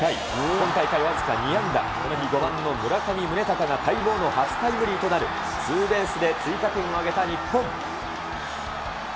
今大会僅か２安打、この日５番の村上宗隆が待望の初タイムリーとなるツーベースで追加点を挙げた日本。